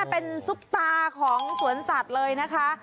เป็นซุปตาของสวนสัตว์เลยนะคะ